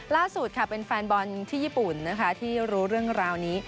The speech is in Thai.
ล่าสุดค่ะเป็นแฟนบอลที่ญี่ปุ่นนะคะที่รู้เรื่องราวนี้